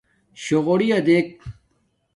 شݸغݸرِیݳ دݵک.